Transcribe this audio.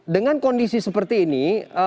dengan kondisi seperti ini